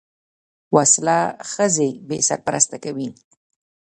وسله ښځې بې سرپرسته کوي